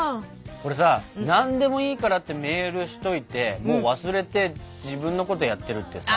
これさ「何でもいいから」ってメールしといてもう忘れて自分のことやってるってさ。